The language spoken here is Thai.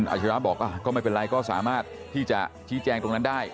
อาชิระบอกก็ไม่เป็นไรก็สามารถที่จะชี้แจงตรงนั้นได้